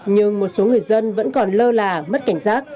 nhưng một số người dân vẫn còn lơ là mất cảnh giác